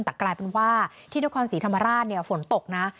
แต่กลายเป็นว่าที่นครศรีธรรมราชฝนตกนะ